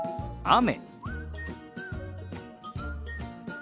雨。